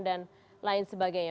dan lain sebagainya